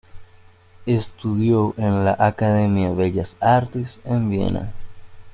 Estudió en la Academia de Bellas Artes en Viena.